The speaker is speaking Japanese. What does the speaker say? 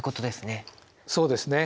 そうですね。